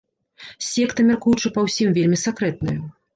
Секта, мяркуючы па ўсім, вельмі сакрэтная.